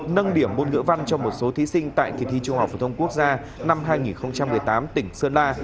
nâng điểm môn ngữ văn cho một số thí sinh tại kỳ thi trung học phổ thông quốc gia năm hai nghìn một mươi tám tỉnh sơn la